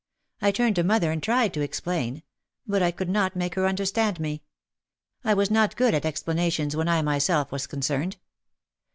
I turned to mother and tried to explain. But I could not make her understand me. I was not good at explanations when I myself was concerned.